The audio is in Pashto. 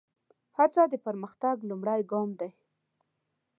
هڅه د پرمختګ لومړی ګام دی.